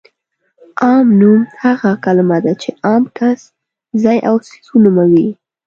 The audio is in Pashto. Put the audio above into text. عام نوم هغه کلمه ده چې عام کس، ځای او څیز ونوموي.